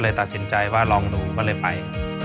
ตัดสินใจว่าลองดูก็เลยไป